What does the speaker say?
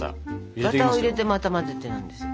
バターを入れてまた混ぜてなんですよ。